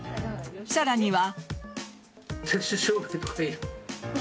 さらには。